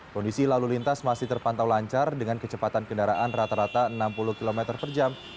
kondisi lalu lintas masih terpantau lancar dengan kecepatan kendaraan rata rata enam puluh km per jam